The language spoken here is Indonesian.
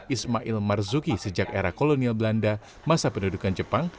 ismail marzuki sejak era kolonial belanda masa pendudukan jepang